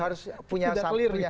harus punya satu